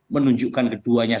menunjukkan kedua yang